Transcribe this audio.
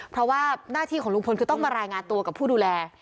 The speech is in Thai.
เพราะว่าหน้าที่ของลุงพลคือต้องมารายงานตัวกับผู้ดูแล